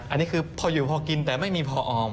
อันนี้คือพออยู่พอกินแต่ไม่มีพอออม